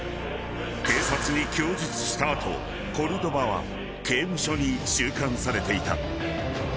［警察に供述した後コルドバは刑務所に収監されていた］